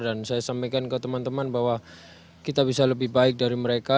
dan saya sampaikan ke teman teman bahwa kita bisa lebih baik dari mereka